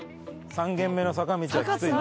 ３軒目の坂道はきついな。